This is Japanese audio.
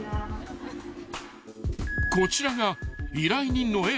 ［こちらが依頼人の］